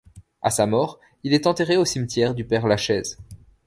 À sa mort il est enterré au cimetière du Père-Lachaise.